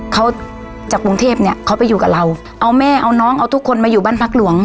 เขาจากกรุงเทพเนี่ยเขาไปอยู่กับเราเอาแม่เอาน้องเอาทุกคนมาอยู่บ้านพักหลวง